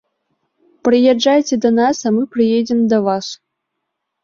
Прыязджайце да нас, а мы прыедзем да вас.